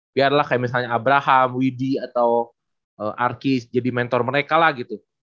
biar lah kayak misalnya abraham widhi atau arki jadi mentor mereka lah gitu